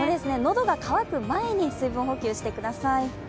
喉が乾く前に水分補給してください。